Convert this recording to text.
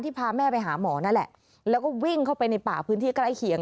พาแม่ไปหาหมอนั่นแหละแล้วก็วิ่งเข้าไปในป่าพื้นที่ใกล้เคียง